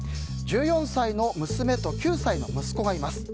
１４歳の娘と９歳の息子がいます。